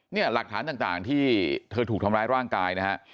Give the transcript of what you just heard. เนี่ยหลักฐานต่างที่เธอถูกทำร้ายร่างกายนะฮะ